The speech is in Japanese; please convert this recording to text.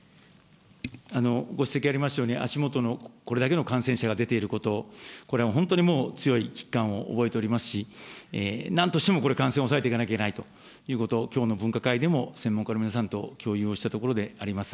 ご指摘ありましたように、足元の、これだけの感染者が出ていること、これは本当にもう強い危機感を覚えておりますし、なんとしてもこれ、感染を抑えていかなければいけないということ、きょうの分科会でも、専門家の皆さんと共有をしたところであります。